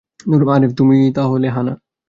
আরে, তুমিই তাহলে হা-না।